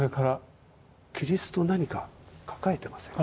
キリスト何かを抱えてませんか？